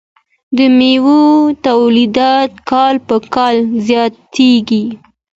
د میوو تولیدات کال په کال زیاتیږي.